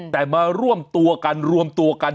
แต่มาร่วมตัวกันรวมตัวกัน